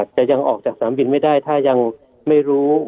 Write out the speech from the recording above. จะยังออกจากสนามบินไม่ได้ถ้ายังไม่รู้